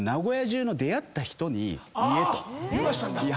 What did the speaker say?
言わしたんだ。